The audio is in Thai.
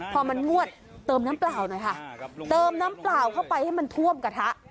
พอมันงวดเติมน้ำเปล่าหน่อยค่ะเติมน้ำเปล่าเข้าไปให้มันท่วมกระทะ